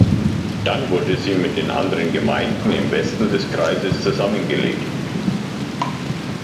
Dann wurde sie mit den anderen Gemeinden im Westen des Kreises zusammengelegt.